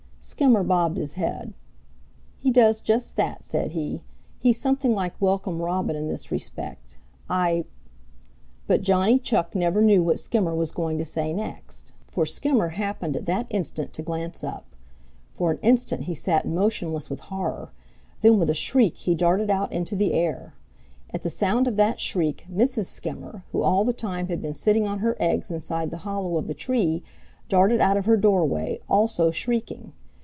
Skimmer bobbed his head. "He does just that," said he. "He's something like Welcome Robin in this respect. I " But Johnny Chuck never knew what Skimmer was going to say next, for Skimmer happened at that instant to glance up. For an instant he sat motionless with horror, then with a shriek he darted out into the air. At the sound of that shriek Mrs. Skimmer, who all the time had been sitting on her eggs inside the hollow of the tree, darted out of her doorway, also shrieking.